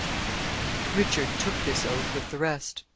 Richard took this oath with the rest.